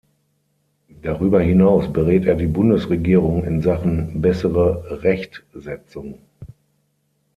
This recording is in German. Darüber hinaus berät er die Bundesregierung in Sachen „Bessere Rechtsetzung“.